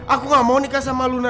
aku gak mau nikah sama luna